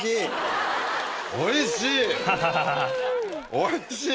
おいしい！